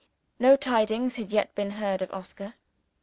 No tidings had yet been heard of Oscar.